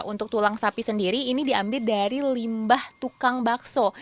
untuk tulang sapi sendiri ini diambil dari limbah tukang bakso